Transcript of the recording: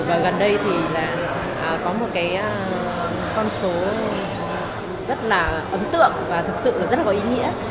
và gần đây thì là có một cái con số rất là ấn tượng và thực sự là rất là có ý nghĩa